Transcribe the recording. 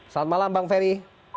selamat malam bang feri